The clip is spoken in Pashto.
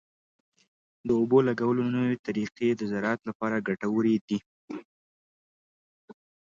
د اوبو لګولو نوې طریقې د زراعت لپاره ګټورې دي.